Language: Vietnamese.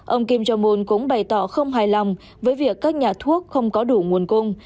ông kim jong un cũng bày tỏ không hài lòng với việc các nhà thuốc không có đủ nguồn cung